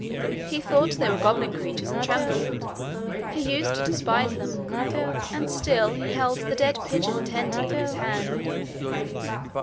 He thought they were goblin creatures, and trembled. He used to despise them. And still he held the dead pigeon tenderly in his hand.